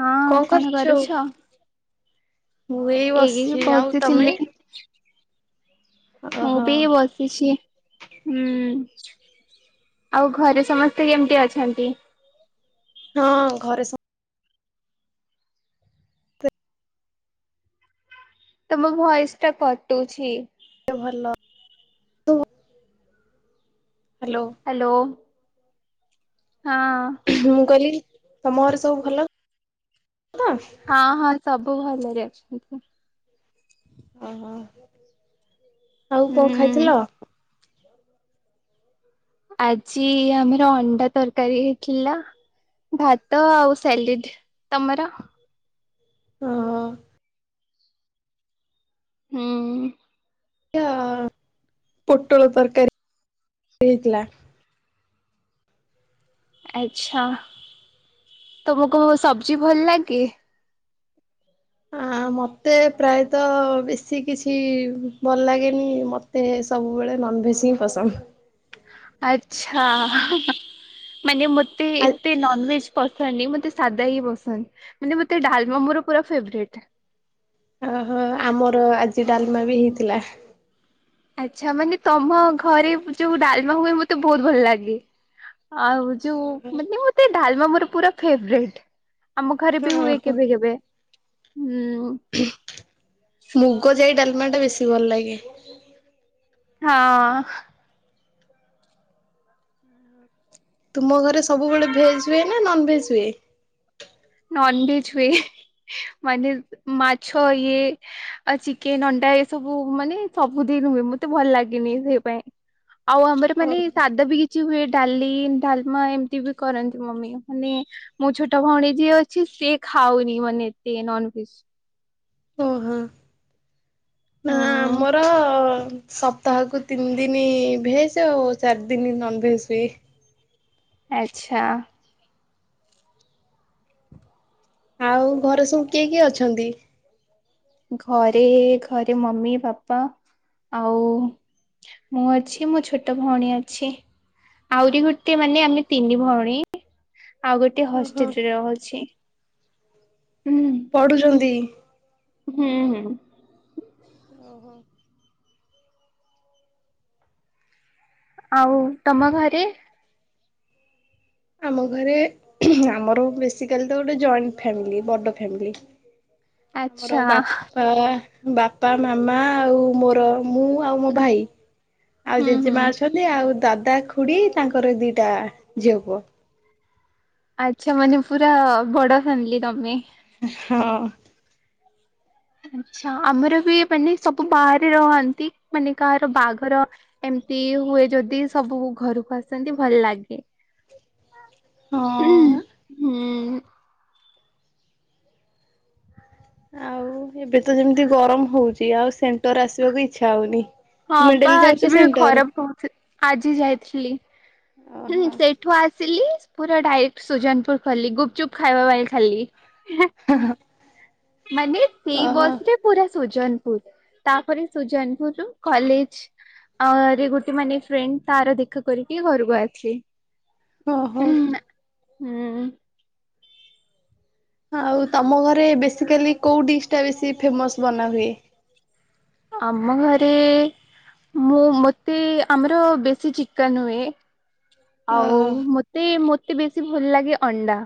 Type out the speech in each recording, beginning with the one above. ହଁ କଣ କରୁଛ? ମୁଁ ଏଇ ବସିଛି ଆଉ ତମେ? ଓହୋ ମୁଁ ବି ବସିଛି। ହୁଁ ଆଉ, ଘରେ ସମସ୍ତେ କେମିତି ଅଛନ୍ତି? ହଁ ଘରେ ସ ତମ ଭଏସ୍ ଟା କଟୁଛି। ଭଲ ତ ହ୍ୟାଲୋ ହଁ ମୁଁ କହିଲି ତମ ଘରେ ସବୁ ଭଲ ତ ହଁ ହଁ ସବୁ ଭଲରେ ଅଛନ୍ତି। ଓହୋ ଆଉ କଣ ହୁଁ ଖାଇଥିଲ? ଆଜି ଆମର ଅଣ୍ଡା ତରକାରୀ ହେଇଥିଲା। ଭାତ ଆଉ ସାଲିଡ ତମର ହ ହ ହୁଁ ପୋଟଳ ତରକାରି ହୋଇଥିଲା। ଆଛା ତମକୁ ସବଜି ଭଲ ଲାଗେ? ଆ ମତେ ପ୍ରାୟତଃ ବେଶୀ କିଛି ଭଲ ଲାଗେନି ମତେ ସବୁବେଳେ ନନଭେଜ୍ ହିଁ ପସନ୍ଦ। ଆଚ୍ଛା ମାନେ ମୋତେ ଏତେ ନନଭେଜ ପସନ୍ଦ ନି ମତେ ସାଦା ହିଁ ପସନ୍ଦ ମାନେ ମତେ ଡାଲମା ମୋର ପୁର ଫେବୋରା଼ଇଟ। ଓହୋ ଆମର ଆଜି ଡାଲମା ବି ହେଇଥିଲା। ଆଛା ମାନେ ତମ ଘରେ ଯୋଉ ଡାଲମା ହୁଏ ମତେ ବହୁତ ଭଲ ଲାଗେ। ଆଉ ଯୋଉ ମାନେ ମତେ ଡାଲମା ମୋର ପୁରା ଫେବୋରାଇଟ। ଆମ ଘରେ ବି ହୁଏ ଓହୋ କେବେ କେବେ ହୁଁ। ମୁଗ ଯାଇ ଡାଲମା ଟା ବେଶୀ ଭଲ ଲାଗେ ହଁ। ତୁମ ଘରେ ସବୁବେଳେ ଭେଜ ହୁଏ ନା ନନଭେଜ ହୁଏ? ନନଭେଜ ହୁଏ। ମାନେ ମାଛ ଇଏ ଚିକେନ ଅଣ୍ଡା ଏ ସବୁ ମାନେ ସବୁ ହୁଏ ମତେ ଭଲ ଲାଗନି ସେଇପାଇ ଆଉ ଆମର ଓ ମାନେ ସାଧା ବି କିଛି କି ହୁଏ, ଡାଲି ଡାଲମା ଏମିତି ବି କରନ୍ତି, ମମି ମାନେ ମୁଁ ଛୋଟ ଭଉଣୀ ଯିଏ ଅଛି ସେ ଖାଉନି ମାନେ ଏତେ ନନଭେଜ। ଓହୋ ନା ହୁଁ ଆମର ସପ୍ତାହକୁ ତିନି ଦିନ ଭେଜ ଆଉ ଚାରି ଦିନ ନନଭେଜ ହୁଏ। ଆଚ୍ଛା। ଆଉ ଘରେ ସବୁ କିଏ କିଏ ଅଛନ୍ତି? ଘରେ ଘରେ ମମି ବାପା ଆଉ ମୁଁ ଅଛି, ମୋ ଛୋଟ ଭଉଣୀ ଅଛି। ଆହୁରି ଗୋଟେ ମାନେ ଆମେ ତିନି ଭଉଣୀ ଆଉ ଗୋଟେ ଓହୋ ହଷ୍ଟେଲ ରେ ରହୁଛି ହ୍ମ ପଢୁଛନ୍ତି? ହୁଁ ହୁଁ। ଓହୋ। ଆଉ ତମ ଘରେ? ଆମ ଘରେ ଆମର ବେଶୀକାଲି ଗୋଟେ ଜଏଣ୍ଟ ଫାମିଲ ବଡ ଫାମିଲ ଆମର ଆଚ୍ଛା। ବାପା ବାପା ମାମା ଆଉ ମୋର ମୁଁ ଆଉ ମୋ ଭାଇ ଆଉ ହୁଁ ହୁଁ। ଜେଜେମା ଅଛନ୍ତି, ଆଉ ଦାଦ ଦାଦା ଖୁଡି ତାଙ୍କର ଦିଟା ଝିଅ ପୁଅ। ଆଛା ମାନେ ପୁରା ବଡ ଫ୍ୟାମିଲି ତମେ। ହଁ। ଆଛା ଆମର ବି ମାନେ ସବୁ ବାହାରେ ରହନ୍ତି, ମାନେ କାହାର ବାହାଘର ତି ହୁଏ ଯଦି ସବୁ ଘରକୁ ଆସନ୍ତି ଭଲ ଲାଗେ। ହ ହଁ। ହୁଁ ଆଉ ଏବେ ତ ଯେମିତି ଗରମ ହଉଛି, ଆଉ ସେମତି ଆସିବାକୁ ଇଚ୍ଛା ହଉନି ହଁ ତୁମେ ବା ମିଡିଡ଼ଲେ ଆଜି ଯାଉଛ ବି ସେଣ୍ଟର ଖରାପ ହଉଛି। ଆଜି ଯାଇଥିଲି ଓହୋ ସେଇଠୁ ଆ ସିଲି ପୁରା ଡାଇରେକ୍ଟ ସୁଜନପୁର ଖଲି ଗୁପଚୁପ୍ ଖାଇବା ପାଇଁ ଖାଲି। ହଁ ହ। ମାନେ ସେଇ ବସରେ ପୁରା ସୁଜନପୁର ତାପରେ ସୁଜନପୁର ରୁ କଲେଜ ଆଉ ଗୋଟେ ମାନେ ଫ୍ରେଣ୍ଡ ତାର ଦେଖା କରିକି ଘରକୁ ଆସିଲି। ଓହୋ। ହୁଁ। ଆଉ ତମ ଘରେ ବେସିକାଲି କୋଉ ଡିସ ଟା ବେଶୀ ଫେମସ ବନାହୁଏ? ଆମ ଘରେ ମୁଁ ମତେ ଆମର ବେଶୀ ଚିକନ ହୁଏ । ଆଉ ଓହୋ ମତେ ମତେ ବେଶୀ ଭଲ ଲାଗେ ଅଣ୍ଡା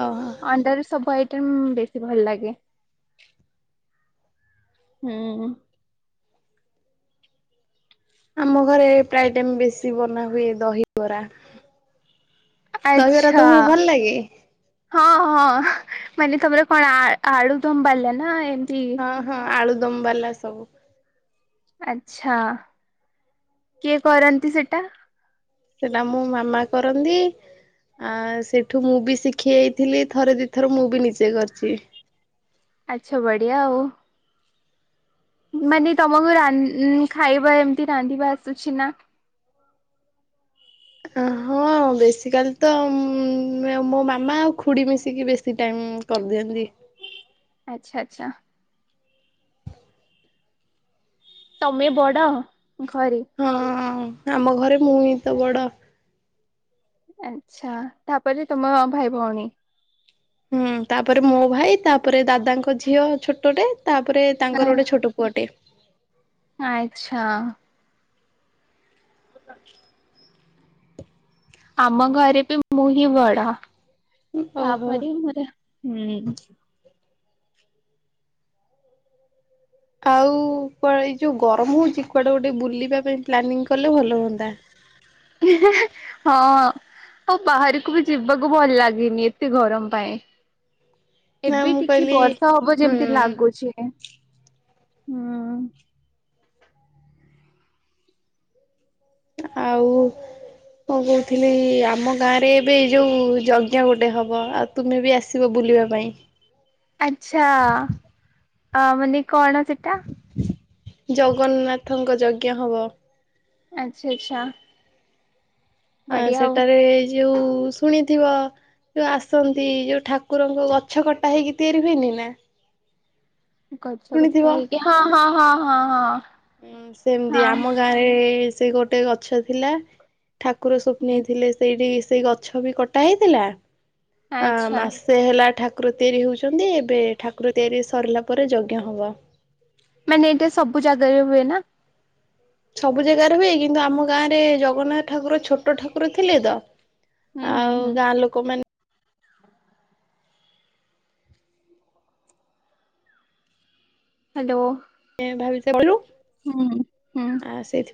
ଓହୋ। ଅଣ୍ଡାର ସବୁ ଆଇଟମ୍ ବେଶୀ ଭଲ ଲାଗେ। ହୁଁ। ଆମ ଘରେ ପ୍ରାୟ ଟାଇମ ବେଶୀ ବନା ହୁଏ ଦହିବରା। ଦହିବରା ଆଛା ତମକୁ ଭଲ ଲାଗେ? ହଁ ହଁ। ମାନେ ତମର କଣ ଆ ଆଳୁଦମ୍ ବାଲାନା ଏ ହଁ ହଁ ଆଳୁଦମ୍ ବାଲା ସବୁ ଆଛା କିଏ କରନ୍ତି ସେଟା? ସେଟା ମୋ ମାମା କରନ୍ତି ଆ ସେଠୁ ମୁଁ ବି ଶିଖି ଯାଇଥିଲି ଥରେ ଦିଥର ମୁଁ ବି ନିଜେ କରିଛି । ଆଛା ବଢିଆ ଆଉ । ମାନେ ତମକୁ ରାନ୍ ଖାଇବା ଏମତି ରାନ୍ଧିବା ଆସୁଛି ନା? ଆ ହଁ ବେଶୀ କାଲି ତ ଉଁ ମାନେ ମୋ ମାମା ଆଉ ଖୁଡି ମିଶିକି ବେଶୀ ଟାଇମ୍ ହୁଁ କରିଦିଅନ୍ତି। ଆଚ୍ଛା ଆଚ୍ଛା। ତମେ ବଡ ଘରେ? ହଁ ଆମ ଘରେ ମୁଁ ହିଁ ତ ବଡ। ଆଛା ତାପରେ ତମ ଭାଇ ଭଉଣୀ। ହୁଁ ତାପରେ ମୋ ଭାଇ ତାପରେ ଦାଦାଙ୍କ ଝିଅ ଛୋଟ ଟେ ତାପରେ ତାଙ୍କର ଗୋଟେ ଛୋଟ ପୁଅଟେ। ଆଚ୍ଛା। [inaudible] ଆମ ଘରେ ବି ମୁଁ ହିଁ ବଡ। ଓହୋ। ତାପରେ ହିଁ ମୋର ହୁଁ। ଆଉ କୁଆଡେ ଏଇ ଯୋଉ ଗରମ ହଉଛି କୁଆଡେ ଗୋଟେ ବୁଲିବା ପାଇଁ ପ୍ଲାନିଂ କଲେ ଭଲ ହୁଅନ୍ତା। ହଁ ଆଉ ବାହାରୁକୁ ବି ଯିବାକୁ ଭଲ ଲାଗିନି ଏତେ ଗରମ ପାଇଁ । ନା ଏବେ ମୁଁ ଟିକେ କହିଲି ବର୍ଷା ହବ ହୁଁ ଯେମିତି ଲାଗୁଛି ହେ। ହୁଁ। ଆଉ ମୁଁ କହୁଥିଲି ଆମ ଗାଁ ରେ ଏବେ ଯୋଉ ଯଜ୍ଞ ଗୋଟେ ହବ ଆଉ ତୁମେ ବି ଆସିବ ବୁ ବୁଲିବା ପାଇଁ । ଆଛା ଆ ମାନେ କଣ ସେଟା। ଜଗନ୍ନାଥଙ୍କ ଯଜ୍ଞ ହବ। ଆଛା ଆଛା। ଆ ସେଠାରେ ଏ ଯୋଉ ଶୁଣିଥିବ ଯୋଉ ଆସନ୍ତି ଯୋଉ ଠାକୁରଙ୍କୁ ଗଛ କଟା ହେଇକି ତିଆରି ହୁଏନି ନା। ଗଛ ଶୁଣିଥିବ କଟା ହେଇକି ହଁ ହଁ ହଁ ହଁ ହଁ । ଉଁ ସେମିତି ଆମ ଗାଁ ରେ ସେ ଗୋଟେ ଗଛ ଥିଲା ଠାକୁର ହୁଁ। ସୋପ୍ନେଇଥିଲେ ସେଇଠି ସେଇ ଗଛ ବି କଟା ହେଇଥିଲା। ଆ ଆଚ୍ଛା ମାସେ ହେଲା ଠା ଠାକୁର ତିଆରି ହଉଛନ୍ତି ଏବେ ଠାକୁର ତିଆରି ସରିଲା ପରେ ଯଜ୍ଞ ହବ। ମାନେ ଏଇଟା ସବୁ ଜାଗାରେ ହୁଏ ନା? ସବୁ ଜାଗାରେ ହୁଏଇ କିନ୍ତୁ ଆମ ଗାଁ ରେ ଜଗନ୍ନାଥ ଠାକୁର ଛୋଟ ଠାକୁର ଥିଲେ ତ ହୁଁ ହୁଁ ଆଉ ହୁଁ। ଗାଁ ଲୋକ ମାନେ ହାଲୋ। ଏଇଆ ଭାବି ସେ ବବୁଲୁ। ହୁଁ ହୁଁ ।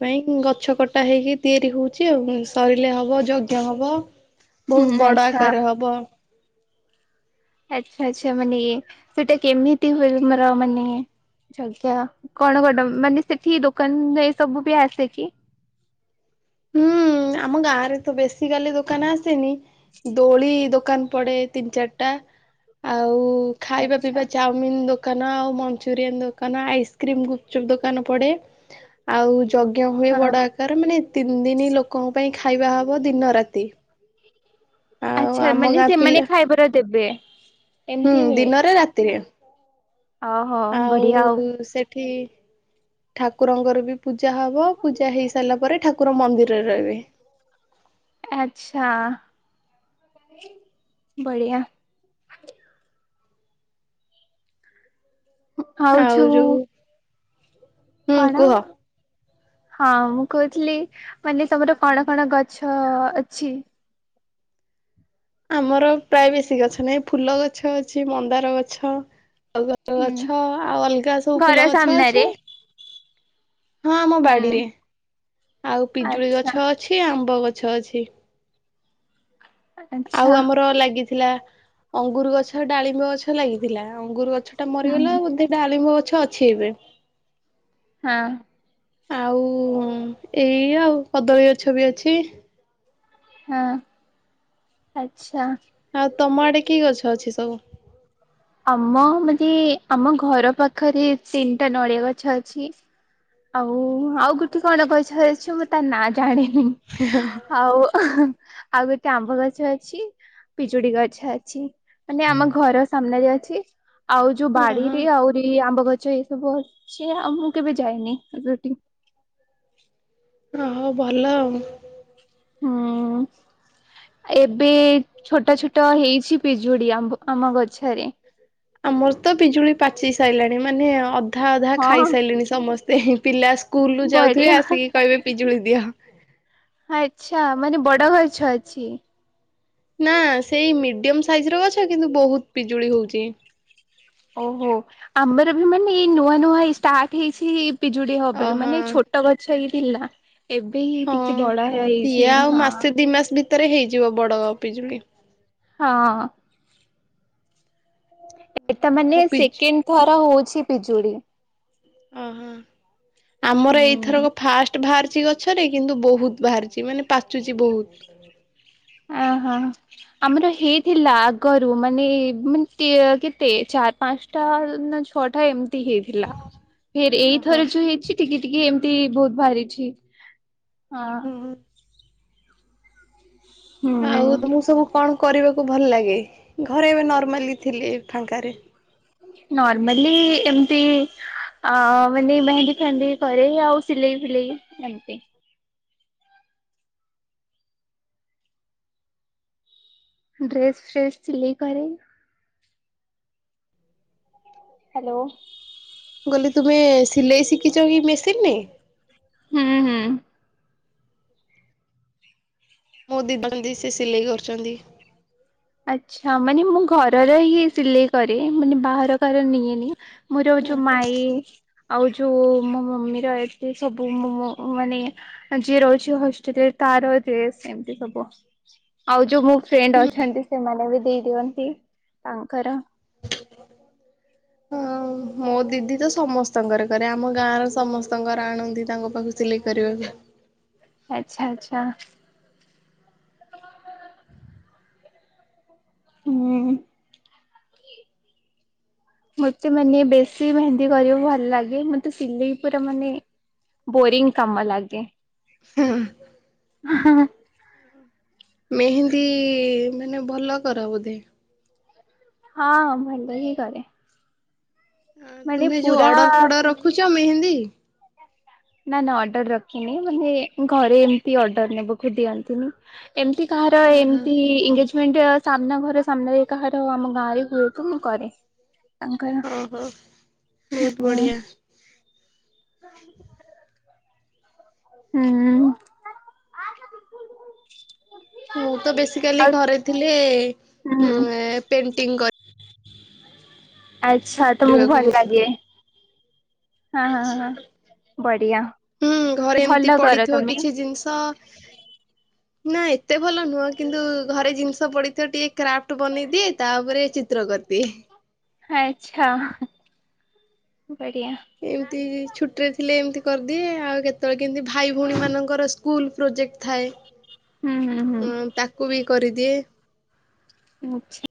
ପାଇଁ ଗଛ କଟା ହେଇକି ତିଆରି ହଉଛି ଆଉ ସଇଲେ ହବ ଯଜ୍ଞ ହବ ବହୁତ ହୁଁ ବଡ ଆଚ୍ଛା। ଆକାରରେ ହବ। ଆଚ୍ଛା ଆଚ୍ଛା ମାନେ ସେଟା କେମିତି ହୁଏ ବି ମୋର ମାନେ ଯଜ୍ଞ କଣ କଣ ମାନେ ସେଠି ଦୋକାନ ଏ ସବୁ ବି ଆସେ କି? ହୁଁ ଆମ ଗାଁ ରେ ତ ବେଶୀ କାଲି ଦୋକାନ ଆସେନି ଦୋଳି ଦୋ ଦୋକାନ ପଡେ ତିନି ଚାରିଟା ଆଉ ଖାଇବା ଆଚ୍ଛା ପିଇବା ଚାଉମିନ୍ ଦୋକ ଦୋକାନ ଆଉ ମଞ୍ଚୁରୀୟାନ୍ ଦୋକାନ ଆଇସକ୍ରିମ୍ ଗୁପ୍ ଚୁପ୍ ଦୋକାନ ପଡେ ଆଉ ଯୋ ଯଜ୍ଞ ହୁଏ ହଁ ବଡ ଆକାର ମାନେ ତିନି ଦିନି ଲୋକଙ୍କ ପାଇଁ ଖାଇବା ହବ ଦିନ ରାତି। ଆଉ ଆଚ୍ଛା ଆମ ମାନେ ଗାଁ ସେମାନେ ପିଲା ଖାଇବାର ଦେବେ ହୁଁ ଏମତି ହୁଏ। ଦିନରେ ରାତିରେ ଓହୋ ବଢିଆ ଆଉ ସେଠି ଠାକୁରଙ୍କର ବି ପୂଜା ହବ ପୂଜା ହେଇ ସାରିଲା ପରେ ଠାକୁର ମନ୍ଦିର ରେ ରହିବେ। ଆଚ୍ଛା। ବଡିଆ। ଆଉ ଯୋଉ କଣ [inaudible] ହଁ ମୁଁ କହୁଥିଲି ମାନେ ତମର କଣ କଣ ଗଛ ଅଛି? ଆମର ପ୍ରାୟ ବେଶୀ ଗଛ ନାହିଁ ଫୁଲ ଗଛ ଅଛି, ମନ୍ଦାର ଗଛ ଆଉ ଗଛ ହୁଁ ଗଛ ଆଉ ଅଲଗା ସବୁ ଘର ଫୁଲ ଗଛ ସାମ୍ନାରେ ଅଛି। ହଁ ଆମ ହୁଁ ବାଡିରେ, ଆଉ ପିଜୁଳି ଆଚ୍ଛା ଗଛ ଅଛି ଆମ୍ବ ଗଛ ଛ ଅଛି । ଆଚ୍ଛା ଆଉ ଆମର ଲାଗିଥିଲା ଅଙ୍ଗୁର ଗଛ, ଡାଳିମ୍ବ ଗଛ ଲାଗିଥିଲା ଅଙ୍ଗୁର ଗଛ ଗଛ ଟା ହୁଁ ମରିଗଲା ବଧେ ଡ଼ାଳିମ୍ବ ଗଛ ଅଛି ଏବେ। ହଁ। ଆଉ ଏଇ ଆଉ କଦଳୀ ଗଛ ବି ଅଛି। ହଁ ଆଛା। ଆଉ ତମ ଆଡେ କି ଗଛ ଅଛି ସବୁ? ଆମ ମାନେ ଆମ ଘର ପାଖରେ ତିନିଟା ନଡ଼ିଆ ଗଛ ଅଛି। ଆଉ ଆଉ ଗୋଠେ କଣ ଗଛ ଅଛି ମୁଁ ତା ନା ଜାଣିନି। ଆଉ ଆଉ ଗୋଟେ ଆମ୍ବ ଗଛ ଅଛି, ପିଜୁଡି ଗଛ ଅଛି ମାନେ ଆମ ଘର ସାମ ଅଛି ଆଉ ଯୋଉ ଓହୋ ବାଡିରେ ଆହୁରି ଆମ୍ବ ଗଛ ଛ ଏ ସବୁ ଆଉ ମୁଁ କେବେ ଯାଇନି ରଟି ହଁ ହଉ ଭଲ ଆଉ ହୁଁ । ଏବେ ଛୋଟ ଛୋଟ ହେଇଚି ପିଜୁଡି ଆମ ଗଛରେ। ଆମର ତ ପିଜୁଳି ପାଚି ସାରିଲାଣି ମାନେ ଅଧା ଅଧା ହଁ ଖାଇସାରିଲିଣି ସମସ୍ ସ୍ତେ ପିଲା ସ୍କୁଲରୁ ବଢିଆ ଯାଉଥିବେ ଆସିକି କହିବେ ପିଜୁଳି ଦିଅ। ଆଚ୍ଛା ମାନେ ବଡ ଗଛ ଅଛି। ନା ସେଇ ମିଡିୟମ ସାଇଜର ଗଛ କିନ୍ତୁ ବହୁତ ପିଜୁଳି ହଉଛି। ଓହୋ ଆମର ବି ମାନେ ଏଇ ନୂଆ ନୂଆ ଏଇ ଷ୍ଟାର୍ଟ ହେଇଚି। ପିଜୁଡି ହବାର ଓହୋ। ମାନେ ଛୋଟ ଗଛ ହେଇ ଥିଲା। ଏବେ ହିଁ ହଁ ଟିକେ ବଡ ହେ ହେଇଛି ହଁ। ତୋର ହେଇଯିବ ବଡ଼ ପିଜୁଳି। ହଁ। ଏଟା ଆମ ମାନେ ପିଜ୍ ସେକେଣ୍ଡ ଥର ହଉଚି ପିଜୁଳି। ଓହୋ ଆମର ହୁଁ ଏଇଥରକ ଫାଷ୍ଟ ଭାଆ ପାଚି ଗଛରେ କିନ୍ତୁ ବହୁତ ବାହାରିଚି ମାନେ ପାଚୁଛି ବହୁତ। ଅହୋ ଆମର ହେଇଥିଲା ଆଗରୁ ମାନେ ମେ କେତେ ଚା ଚାର୍ ପାଞ୍ଚଟା ନା ଛଅଟା ଏମିତି ହେଇଥିଲା। ଫେର୍ ଓହୋ ଏଇଥରେ ଯୋଉ ହେଇଚି ଟିକେ ଟିକେ ଏମିତି ବହୁତ ବାହାରିଚି। ଅ ହଁ। ହୁଁ। ଆଉ ହୁଁ। ମୁଁ ସବୁ କଣ କରିବାକୁ ଭଲ ଲାଗେ ଘରେ ଏବେ ନର୍ମାଲି ଥିଲେ ଫାଙ୍କାରେ। ନର୍ମାଲି ଏମିତି ଆ ମାନେ ମେହେନ୍ଦି ଫେହେନ୍ଦି କରେ ଆଉ ସିଲେଇ ଫିଲେଇ ଏମତି। ଡ୍ରେସ ଫ୍ରେଶ ସିଲେଇ କରେ। ହାଲୋ। କାହଲି ତୁମେ ସିଲେଇ ଶିଖିଚ କି ମେସିନ୍ ରେ? ହୁଁ ହୁଁ ମୋ ଦି ବାନ୍ତି ସେ ସିଲେଇ କରୁଚନ୍ତି। ଆଛା ମାନେ ମୁଁ ଘରର ହିଁ ସିଲେଇ କରେ ମାନେ ବାହାର କାହାର ନିଏନି। ମୋର ଏଯୋଉଁ ଓହୋ। ମାଇଁ ଆଉ ଯୋଉଁ ଯୋଉଁ ମୋ ମମି ରହିଛି ସବୁ ମୁଁ ମାନେ ଯିଏ ରହିଛି ହଷ୍ଟେଲରେ ତାର- ଡ୍ରେସ ଏମତି ସବୁ ଆଉ ଯୋଉ ମୋ ଫ୍ରେଣ୍ଡ ଅଛନ୍ତି। ସେମାନେ ବି ଦେଇ ଦିଅନ୍ତି ତାଙ୍କର ହଁ ମୋ ଦିଦି ତ ସମସ୍ତଙ୍କର କରେ ଆମ ଗାଁର ସମସ୍ତଙ୍କର ଆଣନ୍ତି ତାଙ୍କ ପାଖକୁ ସିଲେଇ କରିବାକୁ। ଆଚ୍ଛା ଆଚ୍ଛା। ହୁଁ। ମତେ ମାନେ ବେଶୀ ମେହେନ୍ଦି କରିବାକୁ ଭଲ ଲାଗେ ମତେ ସିଲେଇ ପୁରା ମାନେ ବୋରିଂ କାମ ଲାଗେ। ହୁଁ। ଆ ହଁ। ମେହେନ୍ଦି ମାନେ ଭଲ କର ବୋଧେ? ହଁଁ ଭଲ ହିଁ କରେ। ମାନେ ତୁମେ ଯୋଉ ପୁରା ଅର୍ଡର ଫଡର ରଖୁଛ ମେହେନ୍ଦି? ନାଁ ନାଁ ଅର୍ଡର ରଖିନି ମାନେ ଘରେ ଏମତି ଅର୍ଡର ନେବାକୁ ଦିଅନ୍ତିନି। ଏମିତି କାହାର ଓହୋ। ଏମିତି ଇଂଗେଜେ ସାମ୍ନା ଘର ସାମ୍ନାରେ କାହାର ଆମ ଗାଁ ରେ ହୁଏତ ମୁଁ କରେ। ଅଙ୍କଲ ଓହୋ ବହୁତ ହୁ। ବଢିଆ। ହ [inaudible] ହୁଁ। ମୁଁ ତ ବେସିକାଲି ଆଉ ଘରେ ଥିଲି ହୁଁ ପେଣ୍ଟିଂ କରି। ଆଚ୍ଛା ତମକୁ କରିବାକୁ ଭଲ ଲାଗେ? ହଁ ହଁ ହଁ। ବଢିଆ ହୁଁ ଘରେ ଏମତି ଭଲ କର ପଡିଥିବ ତମେ କିଛି ଜିନିଷ ନାଁ ଏତେ ଭଲ ନୁହଁ କିନ୍ତୁ ଘରେ ଜିନିଷ ପଡିଥିବ ଟିକେ କ୍ରାଫ୍ଟ ବନେଇଦିଏ ତାପରେ ଚିତ୍ର କରିଦିଏ। ଆଛା। ଏମିତି ଛୁଟି ରେ ଥିଲେ ଏମିତି କରିଦିଏ ଆଉ କେତେବେଳେ କେମିତିତ ଭାଇ ଭଉଣୀ ମାନଙ୍କର ସ୍କୁଲ ପ୍ରୋଜେକ୍ଟ ଥାଏ। ହୁଁ ହୁଁ ହଁ ହୁଁ ତାକୁ ବି କରିଦିଏ। ଆଚ୍ଛା।